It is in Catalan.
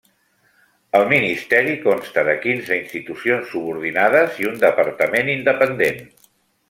El ministeri consta de quinze institucions subordinades i un departament independent.